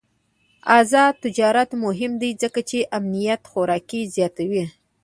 آزاد تجارت مهم دی ځکه چې امنیت خوراکي زیاتوي.